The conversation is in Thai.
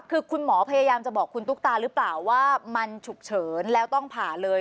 คือคุณหมอพยายามจะบอกคุณตุ๊กตาหรือเปล่าว่ามันฉุกเฉินแล้วต้องผ่าเลย